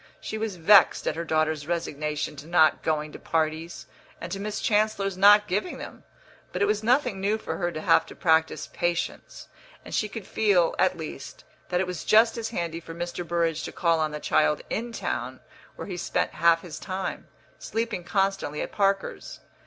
She was vexed at her daughter's resignation to not going to parties and to Miss Chancellor's not giving them; but it was nothing new for her to have to practise patience, and she could feel, at least, that it was just as handy for Mr. Burrage to call on the child in town, where he spent half his time, sleeping constantly at Parker's.